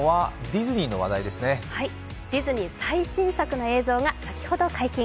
ディズニー最新作の映像が先ほど解禁。